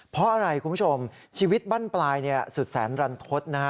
เพราะอะไรคุณผู้ชมชีวิตบ้านปลายสุดแสนรันทศนะฮะ